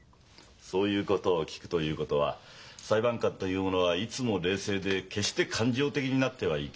そういうことを聞くということは裁判官というものはいつも冷静で決して感情的になってはいけないと思っているんですね？